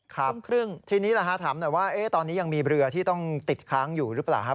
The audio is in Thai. ทุ่มครึ่งทีนี้ถามหน่อยว่าตอนนี้ยังมีเรือที่ต้องติดค้างอยู่หรือเปล่าครับ